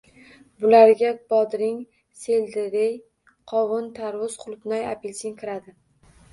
Bularga bodring, selderey, qovun, tarvuz, qulupnay, apelsin kiradi.